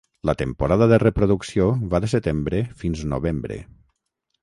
La temporada de reproducció va de setembre fins novembre.